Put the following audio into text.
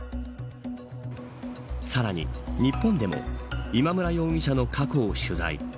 さらに日本でも今村容疑者の過去を取材。